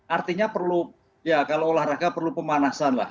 artinya perlu ya kalau olahraga perlu pemanasan lah